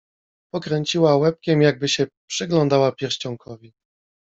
Pokręciła łebkiem, jakby się przyglądała pierścionkowi.